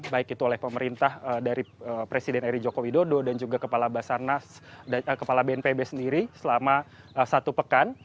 baik itu oleh pemerintah dari presiden eri joko widodo dan juga kepala bnpb sendiri selama satu pekan